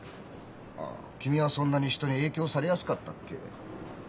あ君はそんなに人に影響されやすかったっけ？